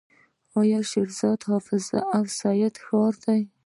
شیراز د حافظ او سعدي ښار دی.